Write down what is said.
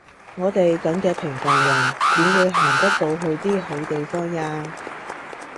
我哋噉嘅平凡人點會行得到去啲好地方呀？